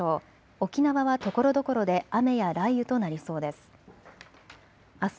沖縄はところどころで雨や雷雨となりそうです。